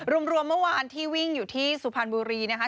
รวมเมื่อวานที่วิ่งอยู่ที่สุพรรณบุรีนะคะ